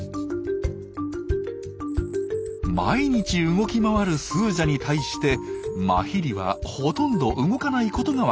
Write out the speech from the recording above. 毎日動き回るスージャに対してマヒリはほとんど動かないことがわかります。